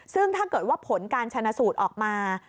ซึ่งถ้าเกิดว่าผลการชนะสูตรออกมา